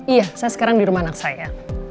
iya saya sekarang di rumah anak saya